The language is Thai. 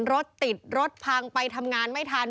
รถติดรถพังไปทำงานไม่ทัน